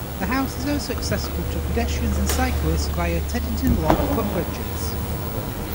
The house is also accessible to pedestrians and cyclists via Teddington Lock Footbridges.